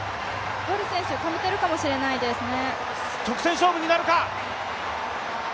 ボル選手、ためているかもしれないですね。